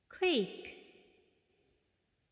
creek ...